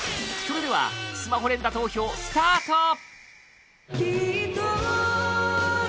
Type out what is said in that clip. それではスマホ連打投票スタート！